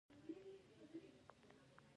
همېشه هڅه کوونکی اوسى؛ هېڅ کله مه تسلیمېږي!